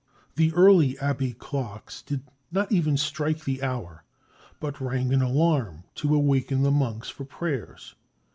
The early abbey clocks did not even strike the hour but rang an alarm to awaken the monks for prayers.